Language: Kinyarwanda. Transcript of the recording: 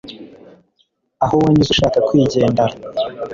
aho wanyuze ushaka kwigendara